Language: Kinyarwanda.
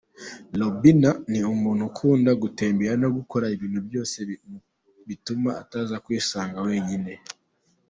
Robina, ni umuntu ukunda gutembera no gukora ibintu byose bituma ataza kwisanga awenyine.